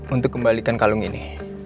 untuk kembalikan kalung ini